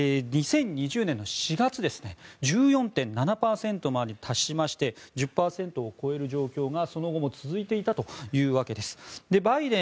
２０２０年の４月１４．７％まで達しまして１０％を超える状況がその後も続いていたわけです。